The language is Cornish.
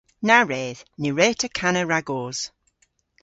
Na wredh. Ny wre'ta kana ragos.